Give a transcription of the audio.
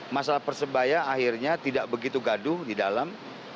masalah persebaya akhirnya tidak begitu gaduh di dalam